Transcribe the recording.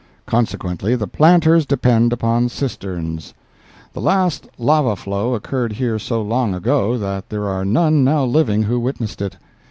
Consequently, the planters depend upon cisterns. The last lava flow occurred here so long ago that there are none now living who witnessed it.